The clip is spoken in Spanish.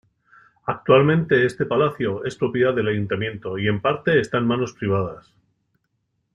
Actualmente este palacio es propiedad del ayuntamiento y en parte está en manos privadas.